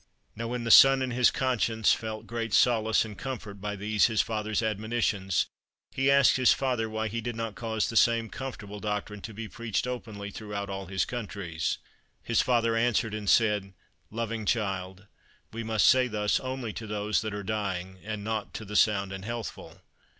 Now, when the son in his conscience felt great solace and comfort by these his father's admonitions, he asked his father why he did not cause the same comfortable doctrine to be preached openly through all his countries. His father answered and said, "Loving child, we must say thus only to those that are dying, and not to the sound and healthful."